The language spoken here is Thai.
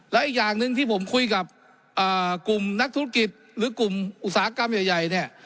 และอีกอย่างหนึ่งที่ผมคุยกับกลุ่มนักธุรกิจหรือกลุ่มอุตสาหกรรมใหญ่เนี่ย